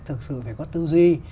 thực sự phải có tư duy